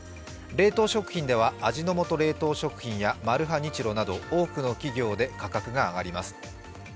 冷凍食品では味の素冷凍食品やマルハニチロなど多くの企業で価格が上がります。